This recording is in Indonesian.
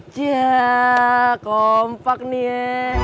jea kompak nih ya